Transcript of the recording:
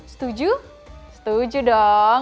setuju setuju dong